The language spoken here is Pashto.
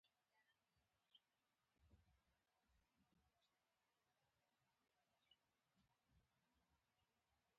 استاد د کندهار د سپين ږيرو له خولې کيسه کوله.